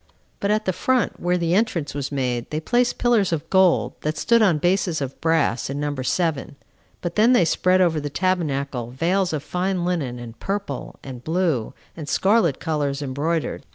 But at the front, where the entrance was made, they placed pillars of gold, that stood on bases of brass, in number seven; but then they spread over the tabernacle veils of fine linen and purple, and blue, and scarlet colors, embroidered.